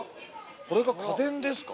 これが家電ですか。